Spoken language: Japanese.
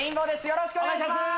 よろしくお願いします